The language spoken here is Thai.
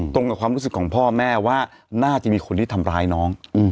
ตรงกับความรู้สึกของพ่อแม่ว่าน่าจะมีคนที่ทำร้ายน้อง